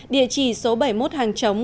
địa chỉ số bảy mươi một hàng chống